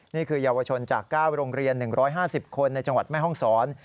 นี่คือเยาวชนจาก๙โรงเรียน๑๕๐คนในจังหวัดแม่ห้องศร